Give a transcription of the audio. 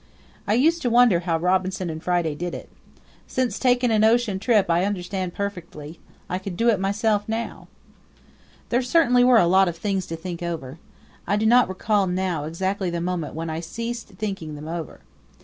I used to wonder how Robinson and Friday did it. Since taking an ocean trip I understand perfectly. I could do it myself now. There certainly were a lot of things to think over. I do not recall now exactly the moment when I ceased thinking them over.